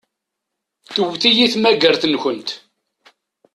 Tewwet-iyi tmagart-nkent.